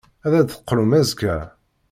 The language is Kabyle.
Ad d-teqqlem azekka?